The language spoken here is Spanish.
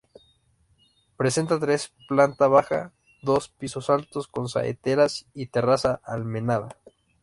Presenta tres planta baja, dos pisos altos con saeteras y terraza almenada.